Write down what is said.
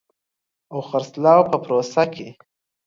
او خرڅلاو په پروسه کې